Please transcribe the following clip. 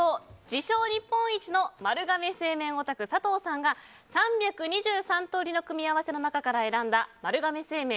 自称日本一の丸亀製麺オタク佐藤さんが３２３通りの組み合わせの中から選んだ丸亀製麺